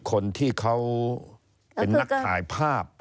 คนที่เขาเป็นนักถ่ายภาพ